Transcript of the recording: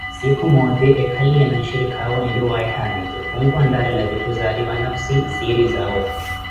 Siiku moote ekaliye na nshirikaawe enriwaaye haamitu, khunkontarela vithu zari vanafhussi siiri zawe.